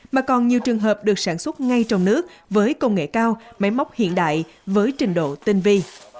mà còn nhiều trường hợp được sản xuất ngay trong nước với công nghệ cao máy móc hiện đại với trình độ tinh vi